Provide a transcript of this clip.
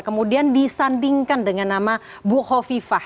kemudian disandingkan dengan nama bu hovifah